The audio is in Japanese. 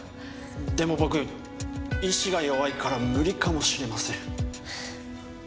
でも僕意志が弱いから無理かもしれません。